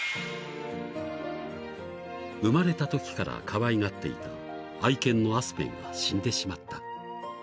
［生まれたときからかわいがっていた愛犬のアスペンが死んでしまった］